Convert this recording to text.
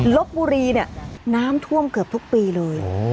ลบบุรีเนี่ยน้ำท่วมเกือบทุกปีเลย